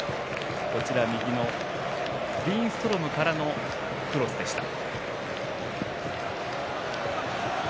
右のリンストロムからのクロスでした。